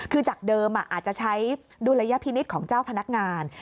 คือจากเดิมอาจจะใช้ดุลยพินิษฐ์ของเจ้าพนักงาน